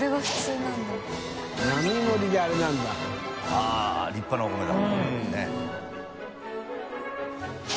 あっ立派なお米だ。